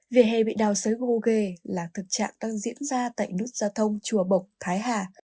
vỉa hè bị đào sới gô ghê là thực trạng đang diễn ra tại nút gia thông chùa bộc thái hà